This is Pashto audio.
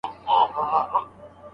خپل بدن ته د سالمې غذا ورکړئ.